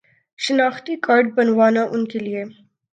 شناختی کارڈ بنوانا ان کے لیے